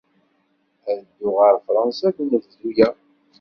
Ad dduɣ ɣer Fṛansa deg unebdu-a.